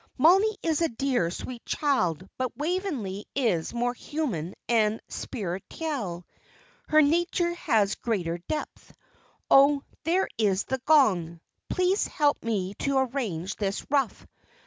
Mollie is a dear, sweet child, but Waveney is more human and spirituelle, her nature has greater depth. Oh, there is the gong. Please help me to arrange this ruff.